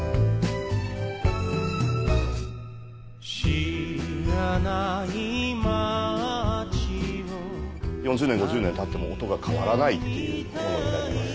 知らない街を４０年５０年たっても音が変わらないっていうものになります。